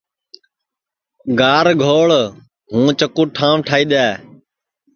گر گھوݪ ہوں چکُو ٹھانٚو ٹھائی دؔے